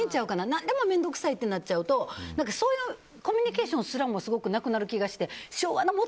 何でも面倒くさいってなってしまうとそういうコミュニケーションすらなくなる気がして。